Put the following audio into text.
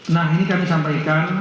nah ini kami sampaikan